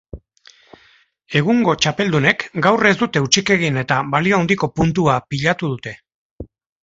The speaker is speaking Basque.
Egungo txapeldunek gaur ez dute hutsik egin eta balio handiko puntua pilatu dute.